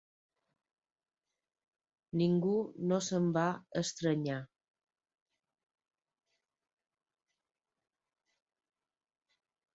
Ningú no se'n va estranyar.